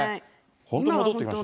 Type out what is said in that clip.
本当戻ってきましたね。